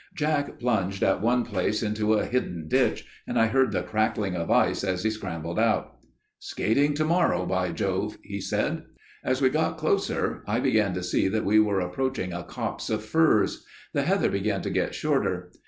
Jack plunged at one place into a hidden ditch, and I heard the crackling of ice as he scrambled out. "'Skating to morrow, by Jove,' he said. "As we got closer I began to see that we were approaching a copse of firs; the heather began to get shorter.